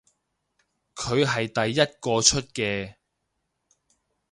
佢係第一個出嘅